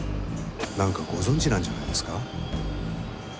何かご存じなんじゃないですか？